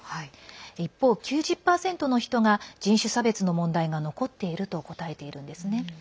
一方、９０％の人が人種差別の問題が残っていると答えているんですね。